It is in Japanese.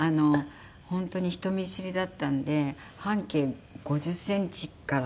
本当に人見知りだったんで半径５０センチから離れなかったですね